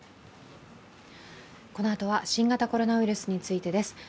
このあとは新型コロナウイルスについてです。